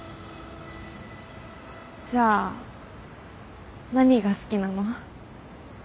じゃあ何が好きなの？